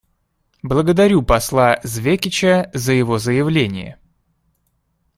Благодарю посла Звекича за его заявление.